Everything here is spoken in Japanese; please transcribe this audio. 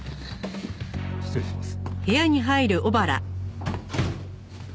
失礼します。